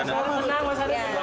masa dulu masa dulu